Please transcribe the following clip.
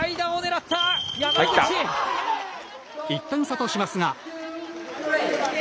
１点差としますが。